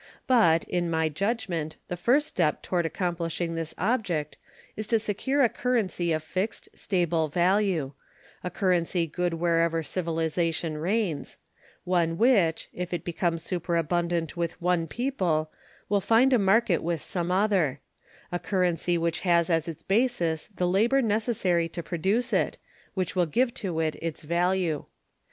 But, in my judgment, the first step toward accomplishing this object is to secure a currency of fixed, stable value; a currency good wherever civilization reigns; one which, if it becomes superabundant with one people, will find a market with some other; a currency which has as its basis the labor necessary to produce it, which will give to it its value.